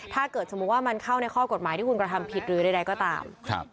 ถ้าเกิดสมมุติว่ามันเข้าในข้อกฎหมายที่คุณกระทำผิดหรือใดก็ตาม